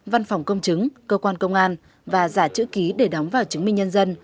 văn phòng công chứng cơ quan công an và giả chữ ký để đóng vào chứng minh nhân dân